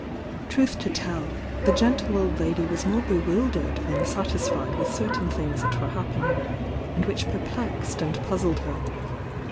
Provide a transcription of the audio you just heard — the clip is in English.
T'uth to tell, the gentle old lady was morj bewildered than satisfied with certain things that, were happening, and which perplexed and puzzled her.